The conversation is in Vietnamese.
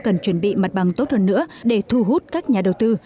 cần chuẩn bị mặt bằng tốt hơn nữa để thu hút các nhà đầu tư